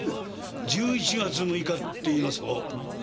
１１月６日っていいますとあれ？